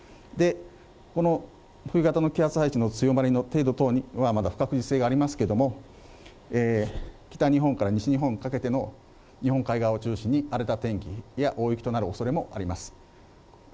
この冬型の気圧配置の強まりの程度等はまだ不確実性がありますけれども、北日本から西日本にかけての日本海側を中心に荒れた天気や大雪となるおそれもあります。